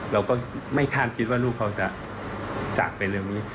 เราก็ไม่คาดคิดว่าลูกเขาจะจากไปเร็วนี้